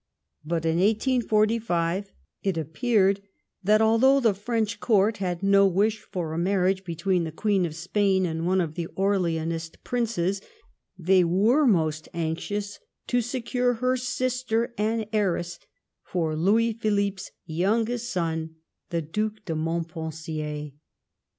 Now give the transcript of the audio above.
But in 1845 it appeared that, although the French Court had no wish for a marriage between the Queen of Spain and one of the Orleanist princes, they were most anxious to secure her sister and heiress for Louis Philippe's youngest son the Due de Montpensier.